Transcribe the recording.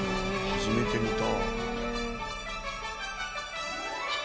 初めて見た。